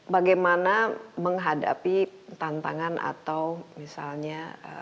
bagaimana menghadapi tantangan atau misalnya